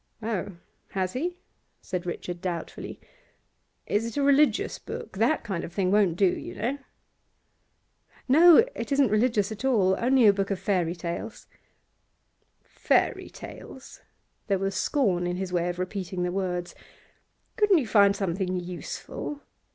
'Oh, has he?' said Richard doubtfully. 'Is it a religious book? That kind of thing won't do, you know.' 'No, it isn't religious at all. Only a book of fairy tales.' 'Fairy tales!' There was scorn in his way of repeating the words. 'Couldn't you find something useful?